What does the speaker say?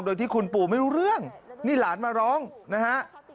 โดยที่คุณปู่ไม่รู้เรื่องนี่หลานมาร้องนะฮะ